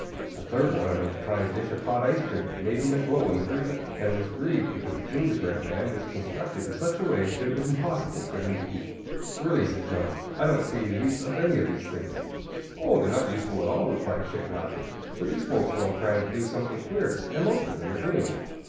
A third wanted him to try a dish of hot ice cream made in a glowing freezer, and was grieved because the gingerbread man was constructed in such a way that it was impossible for him to eat. "Really," said John, "I don't see the use of these things." "Oh, they're not useful at all," replied Chick, laughing; "but these folks are all trying to do something queer, and most of them are doing it.